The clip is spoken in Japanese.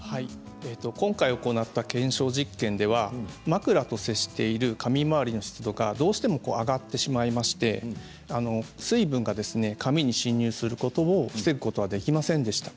今回行った検証実験では枕と接している髪周りの湿度がどうしても上がってしまいまして水分が髪に侵入することを防ぐことができませんでした。